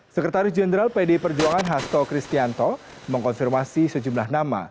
sekretaris jenderal pdi perjuangan hasto kristianto mengkonfirmasi sejumlah nama